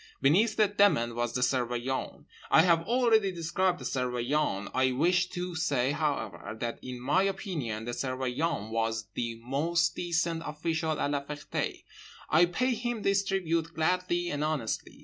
Beneath the Demon was the Surveillant. I have already described the Surveillant. I wish to say, however, that in my opinion the Surveillant was the most decent official at La Ferté. I pay him this tribute gladly and honestly.